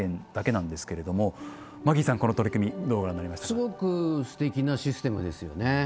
すごくすてきなシステムですよね。